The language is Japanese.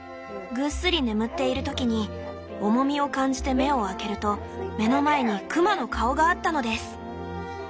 ぐっすり眠っている時に重みを感じて目を開けると目の前に熊の顔があったのです！」。